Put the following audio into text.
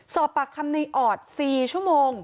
สอบปากคำในออด๔ชั่วโมง